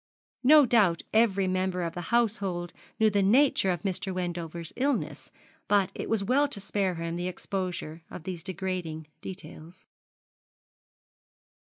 No doubt every member of the household knew the nature of Mr. Wendover's illness; but it was well to spare him the exposure of these degrading details.